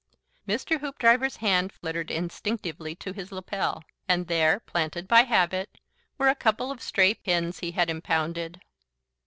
Mr. Hoopdriver's hand fluttered instinctively to his lappel, and there, planted by habit, were a couple of stray pins he had impounded.